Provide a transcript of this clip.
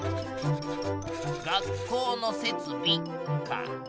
「学校の設備」か！